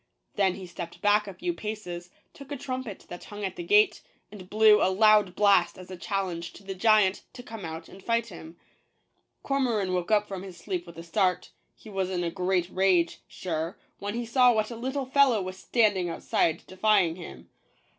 Then he stepped back a few paces, took a trumpet that hung at the gate, and blew a loud blast as a challenge to the giant to come out and fight him. Cormoran woke 168 CORMOKAN. JACK THE GIANT KILLER. up from his sleep with a start; he was in a great rage, sure, when he saw what a little fellow was stand ing outside defying him.